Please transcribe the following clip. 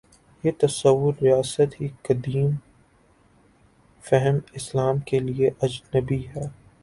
یہ تصور ریاست ہی قدیم فہم اسلام کے لیے اجنبی ہے۔